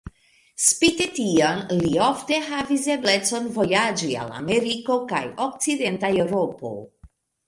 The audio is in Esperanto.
Spite tion, li ofte havis eblecon vojaĝi al Ameriko kaj Okcidenta Eŭropo.